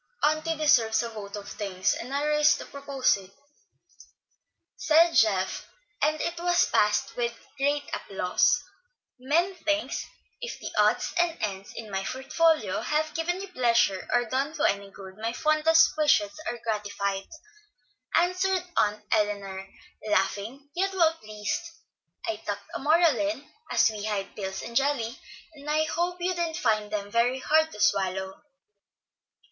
"Auntie deserves a vote of thanks, and I rise to propose it," said Geoff; and it was passed with great applause. "Many thanks. If the odds and ends in my portfolio have given you pleasure or done you any good, my fondest wishes are gratified," answered Aunt Elinor, laughing, yet well pleased. "I tucked a moral in, as we hide pills in jelly, and I hope you didn't find them hard to swallow."